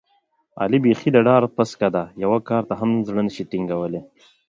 علي بیخي د ډار پسکه دی، یوه کار ته هم زړه نشي ټینګولی.